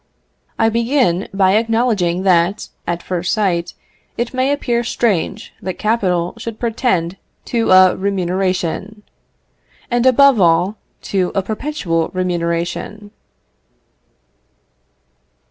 I begin by acknowledging that, at first sight, it may appear strange that capital should pretend to a remuneration, and above all, to a perpetual remuneration.